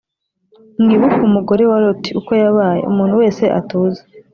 Mwibuke umugore wa Loti uko yabaye. Umuntu wese atuze